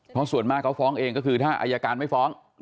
เพราะส่วนมากเขาฟ้องเองก็คือถ้าอายการไม่ฟ้อง